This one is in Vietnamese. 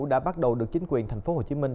đã bắt đầu được chính quyền thành phố hồ chí minh